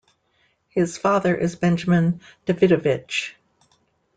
His father is Benjamin Davidovich.